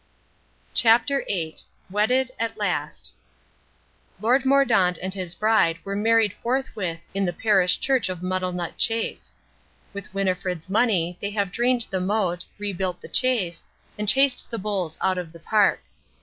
CHAPTER VIII WEDDED AT LAST Lord Mordaunt and his bride were married forthwith in the parish church of Muddlenut Chase. With Winnifred's money they have drained the moat, rebuilt the Chase, and chased the bulls out of the park.